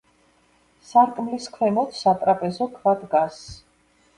სარკმლის ქვემოთ სატრაპეზო ქვა დგას.